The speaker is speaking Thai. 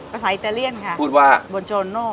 ภาษาอิตาเลียนค่ะบนโจโน